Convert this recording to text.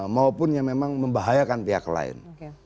maupun yang memang membahayakan pihak lain